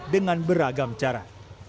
dengan beragam cara